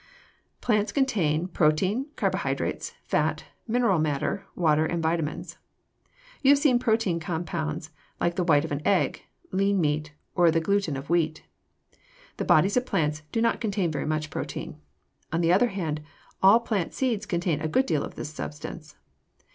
Plants contain protein, carbohydrates, fat, mineral matter, water, and vitamins. You have seen protein compounds like the white of an egg, lean meat, or the gluten of wheat. The bodies of plants do not contain very much protein. On the other hand, all plant seeds contain a good deal of this substance.